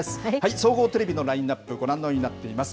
総合テレビのラインナップ、ご覧のようになっています。